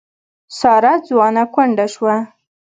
ساره ځوانه کونډه شوه.